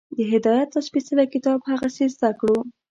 د هدایت دا سپېڅلی کتاب هغسې زده کړو